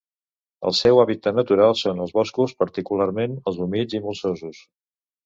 El seu hàbitat natural són els boscos, particularment els humits i molsosos.